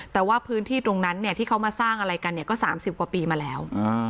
แต่ว่าพื้นที่ตรงนั้นที่เขามาสร้างอะไรกันก็๓๐กว่าปีมาแล้ว